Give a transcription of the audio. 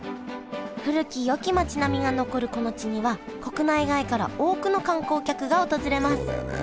古きよき町並みが残るこの地には国内外から多くの観光客が訪れますそうだよね。